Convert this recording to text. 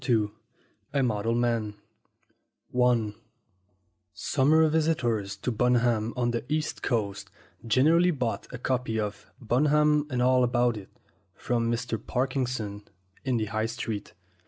II A MODEL MAN SUMMER visitors to Bunham on the East Coast generally bought a copy of "Bunham and All About It" from Mr. Parkinson in the High Street.